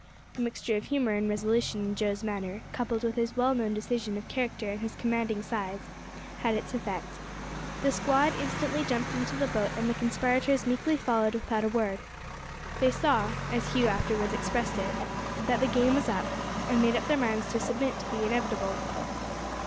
The mixture of humour and resolution in Joe's manner, coupled with his well known decision of character and his commanding size, had its effect. The squad instantly jumped into the boat, and the conspirators meekly followed without a word. They saw as Hugh afterwards expressed it that the game was up, and made up their minds to submit to the inevitable.